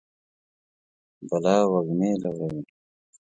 بلا وږمې لوروي